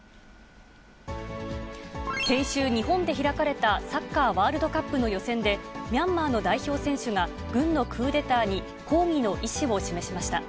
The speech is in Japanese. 先週、日本で開かれたサッカーワールドカップの予選で、ミャンマーの代表選手が、軍のクーデターに抗議の意思を示しました。